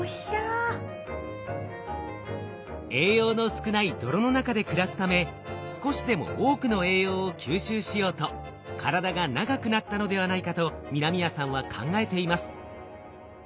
栄養の少ない泥の中で暮らすため少しでも多くの栄養を吸収しようと体が長くなったのではないかと南谷さんは考えています。